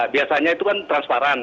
biasanya itu kan transparan